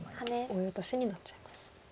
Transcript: オイオトシになっちゃいます。